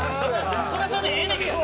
それはそれでええねんけどな。